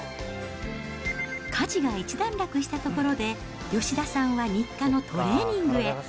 家事が一段落したところで、吉田さんは日課のトレーニングへ。